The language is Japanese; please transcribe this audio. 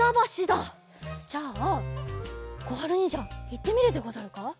じゃあこはるにんじゃいってみるでござるか？